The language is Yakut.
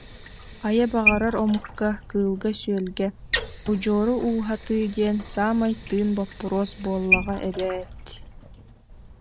Хайа баҕарар омукка, кыылга-сүөлгэ удьуору ууһатыы диэн саамай тыын боппуруос буоллаҕа эбээт